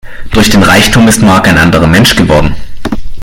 Durch den Reichtum ist Mark ein anderer Mensch geworden.